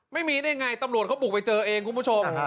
ไม่มีได้ไงตำรวจเขาบุกไปเจอเองคุณผู้ชม